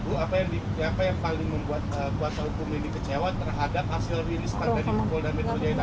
bu apa yang paling membuat kuasa hukum ini kecewa terhadap hasil rilis tadi polda metro jaya